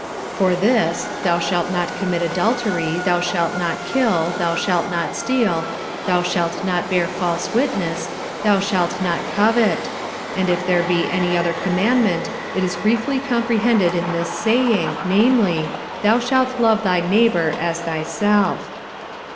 45:013:009 For this, Thou shalt not commit adultery, Thou shalt not kill, Thou shalt not steal, Thou shalt not bear false witness, Thou shalt not covet; and if there be any other commandment, it is briefly comprehended in this saying, namely, Thou shalt love thy neighbour as thyself.